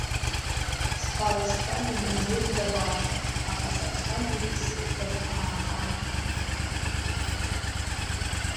Схала сцәажәом мзызда баша, аха сарцәажәоит исышәҭаз ааха.